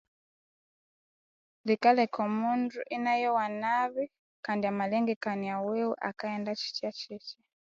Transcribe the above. Yikalheka omundu inayowa nabi kandi amalengekania wiwe inaghenda kithyakitya